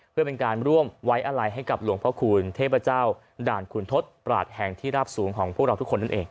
เพื่อเป็นการร่วมไว้อะไรให้กับหลวงพระคูณเทพเจ้าด่านขุนทศปราศแห่งที่ราบสูงของพวกเราทุกคนนั่นเอง